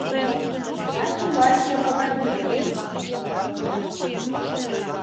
Да тулаче Бабарихым